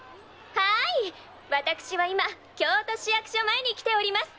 「はい私は今京都市役所前に来ております。